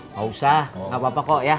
gak usah gapapa kok ya